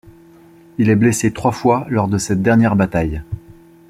Il est blessé trois fois lors de cette dernière bataille.